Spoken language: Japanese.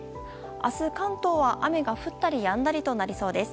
明日、関東は雨が降ったりやんだりとなりそうです。